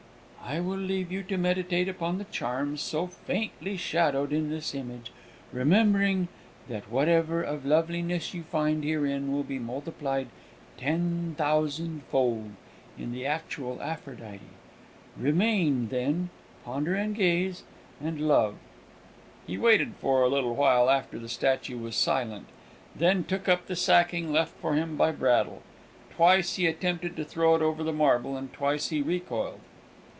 "I will leave you to meditate upon the charms so faintly shadowed in this image, remembering that whatever of loveliness you find herein will be multiplied ten thousand fold in the actual Aphrodite! Remain, then; ponder and gaze and love!" He waited for a little while after the statue was silent, and then took up the sacking left for him by Braddle; twice he attempted to throw it over the marble, and twice he recoiled.